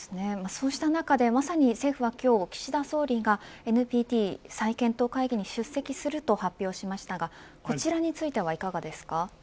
そうした中で政府は今日岸田総理がＮＰＴ、再検討会議に出席すると発表しましたがこちらについてはいかがですか。